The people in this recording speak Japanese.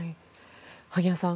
萩谷さん